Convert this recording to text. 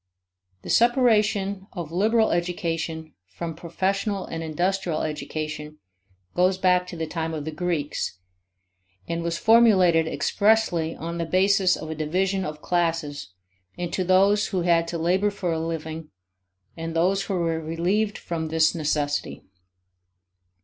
The separation of liberal education from professional and industrial education goes back to the time of the Greeks, and was formulated expressly on the basis of a division of classes into those who had to labor for a living and those who were relieved from this necessity.